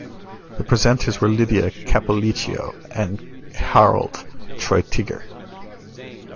The presenters were Lydia Cappolicchio and Harald Treutiger.